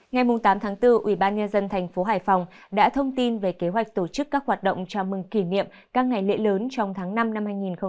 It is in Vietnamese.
ngày tám tháng bốn ủy ban nhà dân thành phố hải phòng đã thông tin về kế hoạch tổ chức các hoạt động chào mừng kỷ niệm các ngày lễ lớn trong tháng năm năm hai nghìn hai mươi bốn